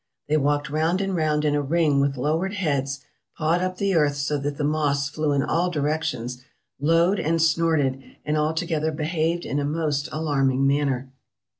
They walked round and round in a ring with lowered heads, pawed up the earch so that the moss flew in all directions, lowed and snorted, and altogether behaved in a most alarming manner."